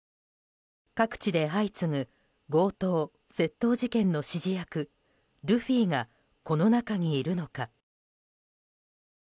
各地で相次ぐ強盗・窃盗事件の指示役ルフィが、この中にいるのか。